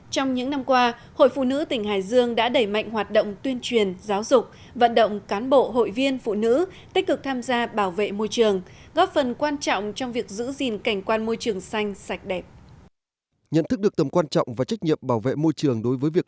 trong những năm qua hội phụ nữ tỉnh hải dương đã đẩy mạnh hoạt động tuyên truyền giáo dục vận động cán bộ hội viên phụ nữ tích cực tham gia bảo vệ môi trường góp phần quan trọng trong việc giữ gìn cảnh quan môi trường xanh sạch đẹp